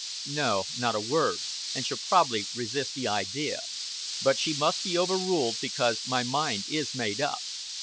"No. Not a word. An' she'll prob'ly resist the idea. But she must be overruled, because my mind is made up.